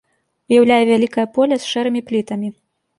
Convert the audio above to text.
Уяўляе вялікае поле з шэрымі плітамі.